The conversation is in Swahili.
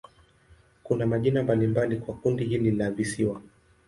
Kuna majina mbalimbali kwa kundi hili la visiwa.